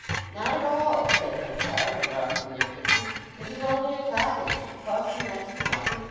"Not at all," said Henchard, in rough benignity. "This is only a cottage—it costs me next to nothing.